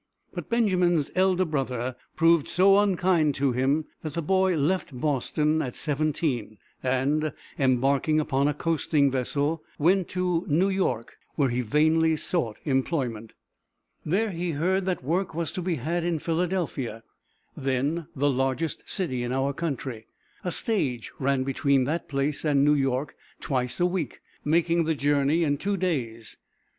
But Benjamin's elder brother proved so unkind to him that the boy left Boston at seventeen, and, embarking upon a coasting vessel, went to New York, where he vainly sought employment. There he heard that work was to be had in Philadelphia, then the largest city in our country. A stage ran between that place and New York twice a week, making the journey in two days.